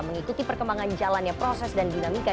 mengikuti perkembangan jalannya proses dan dinamika